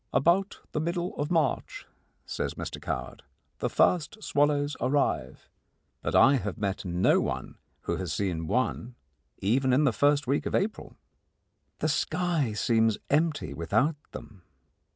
"About the middle of March," says Mr Coward, "the first swallows arrive," but I have met no one who has seen one even in the first week in April. The sky seems empty without them.